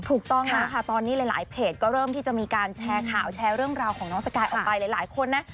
ถูกต้องแล้วนะคะตอนนี้หลายเพจก็เริ่มที่จะมีการแชร์ข่าวแชร์เรื่องราวของน้องสกายออกไปหลายคนนะ